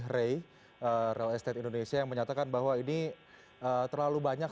rey real estate indonesia yang menyatakan bahwa ini terlalu banyak